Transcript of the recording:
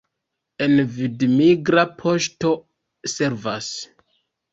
En Vid migra poŝto servas.